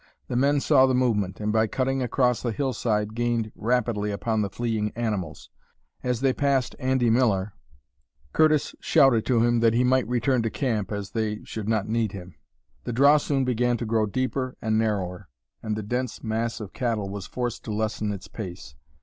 The men saw the movement, and by cutting across the hillside gained rapidly upon the fleeing animals. As they passed Andy Miller, Curtis shouted to him that he might return to the camp, as they should not need him. The draw soon began to grow deeper and narrower, and the dense mass of cattle was forced to lessen its pace.